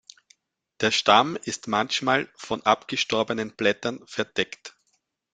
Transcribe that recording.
Der Stamm ist manchmal von abgestorbenen Blättern verdeckt.